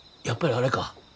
やっぱりあれか？